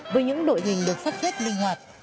với những đội hình được sắc xếp linh hoạt